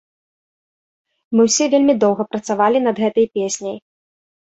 Мы ўсе вельмі доўга працавалі над гэтай песняй.